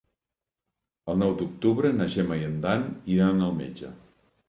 El nou d'octubre na Gemma i en Dan iran al metge.